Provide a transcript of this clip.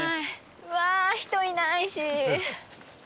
うわあ人いないし！